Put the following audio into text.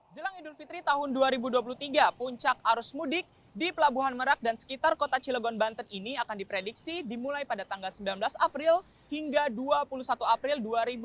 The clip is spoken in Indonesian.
jelang idul fitri tahun dua ribu dua puluh tiga puncak arus mudik di pelabuhan merak dan sekitar kota cilegon banten ini akan diprediksi dimulai pada tanggal sembilan belas april hingga dua puluh satu april dua ribu dua puluh